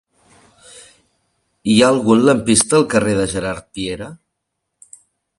Hi ha algun lampista al carrer de Gerard Piera?